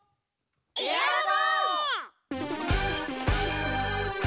エアロボ！